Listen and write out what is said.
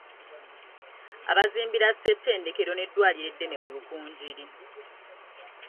Abazimbira ssettendekero n'eddwaliro eddene mu Rukungiri.